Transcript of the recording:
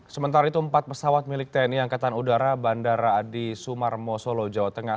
sementara itu empat pesawat milik tni angkatan udara bandara adi sumarmo solo jawa tengah